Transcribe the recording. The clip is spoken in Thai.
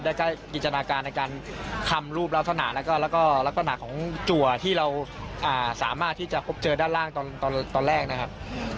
ใกล้จินตนาการในการทำรูปลักษณะแล้วก็ลักษณะของจัวที่เราสามารถที่จะพบเจอด้านล่างตอนแรกนะครับ